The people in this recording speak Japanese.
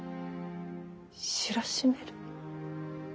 知らしめる。